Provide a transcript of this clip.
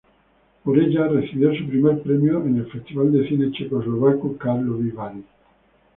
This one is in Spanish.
Por ella recibió su primer premio en el Festival de Cine checoslovaco Karlovy Vary.